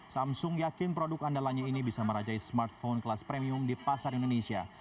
samsung yakin produk andalanya ini bisa merajai smartphone kelas premium di pasar indonesia